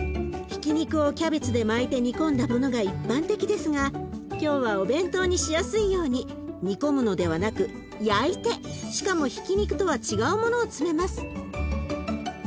ひき肉をキャベツで巻いて煮込んだものが一般的ですが今日はお弁当にしやすいように煮込むのではなく焼いてしかもひき肉とは違うものを詰めます。